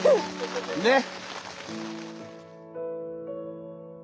ねっ！